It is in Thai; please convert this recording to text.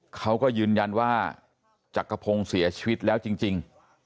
เขาก็ยืนยันว่าจักรพงศ์เสียชีวิตแล้วจริง